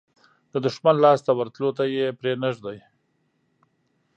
د دښمن لاس ته ورتلو ته یې پرې نه ږدي.